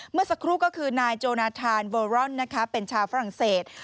เมื่อสักครู่ก็คือนายโจนาธานโบรอนเป็นชาวฝรั่งเศส